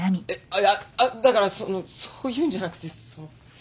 あっいやあっだからそのうそういうんじゃなくてその。